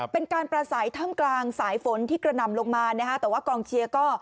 เป็นการปลาสายท่ำกลางสายฝนที่กระนำรบมานะคะแต่ว่ากองเชียวก็